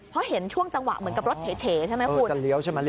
เพราะเห็นช่วงจังหวะเหมือนกับรถเถเฉใช่ไหมคุณ